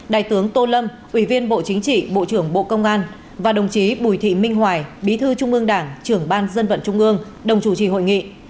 đại tướng tô lâm ủy viên bộ chính trị bộ trưởng bộ công an và đồng chí bùi thị minh hoài bí thư trung ương đảng trưởng ban dân vận trung ương đồng chủ trì hội nghị